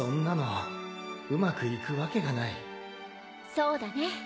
そうだね。